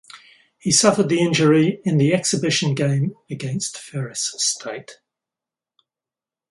He suffered the injury in the exhibition game against Ferris State.